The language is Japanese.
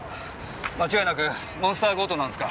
間違いなくモンスター強盗ですか？